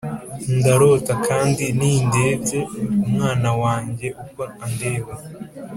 ndarota kandi ni ndebye umwana wanjye uko andeba,